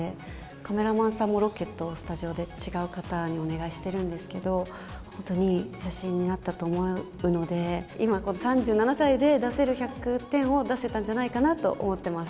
カメラマンさんもロケとスタジオで違う方にお願いしてるんですけど、本当にいい写真になったと思うので、今、この３７歳で出せる１００点を出せたんじゃないかなと思ってます。